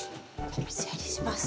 お水やりします。